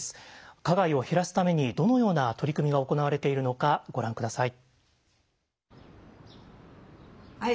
加害を減らすためにどのような取り組みが行われているのかご覧下さい。